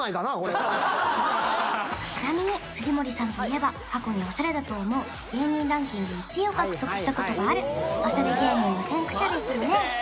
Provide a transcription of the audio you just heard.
ちなみに藤森さんといえば過去にオシャレだと思う芸人ランキング１位を獲得したことがあるオシャレ芸人の先駆者ですよねマジで？